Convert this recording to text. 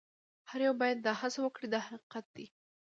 هر یو باید دا هڅه وکړي دا حقیقت دی.